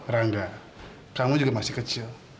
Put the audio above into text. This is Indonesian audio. rangga kamu juga masih kecil